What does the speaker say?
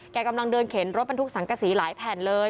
กำลังเดินเข็นรถบรรทุกสังกษีหลายแผ่นเลย